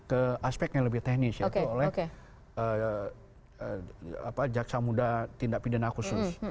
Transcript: ke aspek yang lebih teknis yaitu oleh jaksa muda tindak pidana khusus